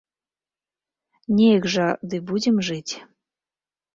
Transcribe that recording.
Неяк жа ды будзем жыць.